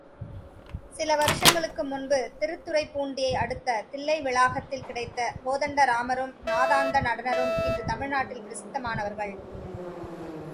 சில வருஷங்களுக்கு முன்பு திருத்துறைப்பூண்டியை அடுத்த தில்லைவிளாகத்தில் கிடைத்த கோதண்ட ராமரும், நாதாந்த நடனரும், இன்று தமிழ்நாட்டில் பிரசித்தமானவர்கள்.